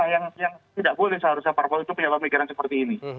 yang tidak boleh seharusnya parpol itu punya pemikiran seperti ini